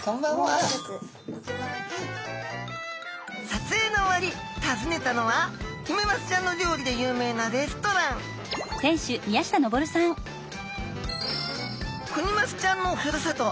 撮影の終わり訪ねたのはヒメマスちゃんの料理で有名なレストランクニマスちゃんのふるさと